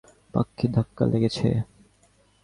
পাখির ধাক্কা লেগেছে!